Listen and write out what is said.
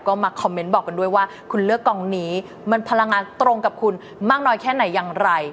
ก็มาคอมเมนต์บอกกันด้วยว่าคุณเลือกกองนี้มันพลังงานตรงกับคุณมากน้อยแค่ไหนอย่างไร